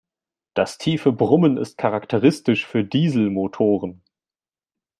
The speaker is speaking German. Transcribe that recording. Das tiefe Brummen ist charakteristisch für Dieselmotoren.